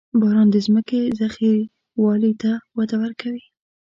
• باران د ځمکې زرخېوالي ته وده ورکوي.